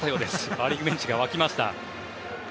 パ・リーグベンチが沸きました。